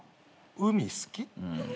海好き。